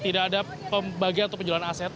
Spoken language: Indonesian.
tidak ada pembagian atau penjualan aset